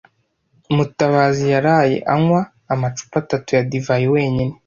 Mutabazi yaraye anywa amacupa atatu ya divayi wenyine.